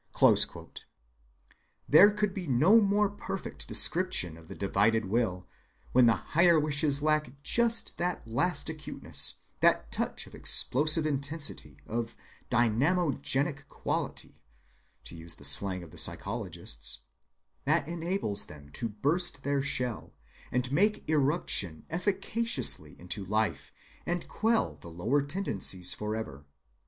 (92) There could be no more perfect description of the divided will, when the higher wishes lack just that last acuteness, that touch of explosive intensity, of dynamogenic quality (to use the slang of the psychologists), that enables them to burst their shell, and make irruption efficaciously into life and quell the lower tendencies forever.